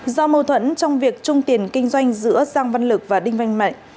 do mâu thuẫn trong việc trung tiền kinh doanh giữa giang văn lực và đinh văn mạnh